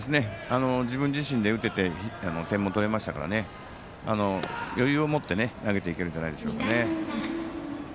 自分自身で打てて点も取れましたから余裕を持って投げていけるんじゃないでしょうかね。